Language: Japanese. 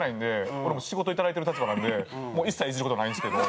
俺も仕事いただいてる立場なんでもう一切いじる事はないんですけど。